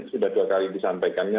sudah dua kali disampaikannya